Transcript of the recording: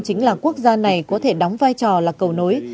chính là quốc gia này có thể đóng vai trò là cầu nối